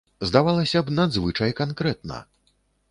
Здавалася б, надзвычай канкрэтна.